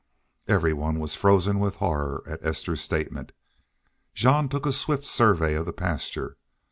Everyone was frozen with horror at Esther's statement. Jean took a swift survey of the pasture.